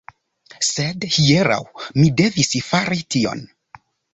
Sed, hieraŭ, mi devis fari tion.